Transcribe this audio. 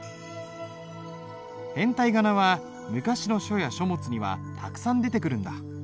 変体仮名は昔の書や書物にはたくさん出てくるんだ。